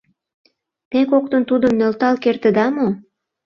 Те коктын тудым нӧлтал кертыда мо?